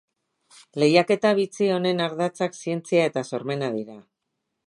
Lehiaketa bitxi honen ardatzak zientzia eta sormena dira.